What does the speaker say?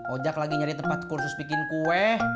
ojak lagi nyari tempat kursus bikin kue